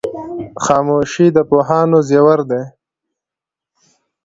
خاموشي د پوهانو زیور دی.